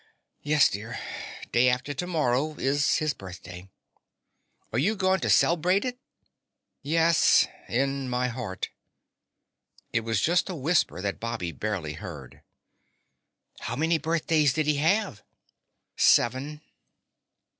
"Yes, dear. Day after tomorrow is his birthday." "Are you going to cel'brate it?" "Yes ... in my heart." It was just a whisper that Bobby barely heard. "How many birthdays did he have?" "Seven."